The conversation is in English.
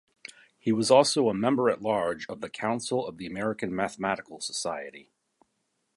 He was also a Member-at-Large of the Council of the American Mathematical Society.